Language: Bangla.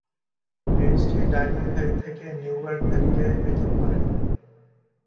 রেঞ্জটি ডায়মন্ড ভ্যালি থেকে নিউয়ারক ভ্যালিকে পৃথক করে।